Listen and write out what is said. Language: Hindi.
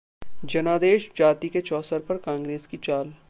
जनादेश-जाति के चौसर पर कांग्रेस की चाल